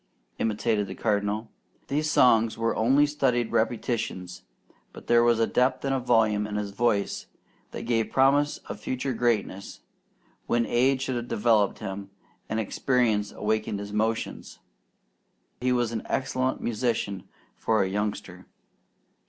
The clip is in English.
imitated the Cardinal. These songs were only studied repetitions, but there was a depth and volume in his voice that gave promise of future greatness, when age should have developed him, and experience awakened his emotions. He was an excellent musician for a youngster.